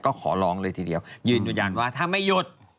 ก็ขอร้องเลยทีเดียวยืนยันว่าถ้าไม่หยุด